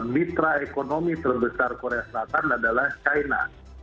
mitra ekonomi terbesar korea selatan adalah china